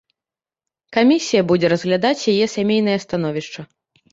Камісія будзе разглядаць яе сямейнае становішча.